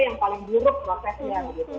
yang paling buruk prosesnya